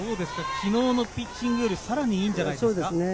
昨日のピッチングよりさらにいいんじゃないですか？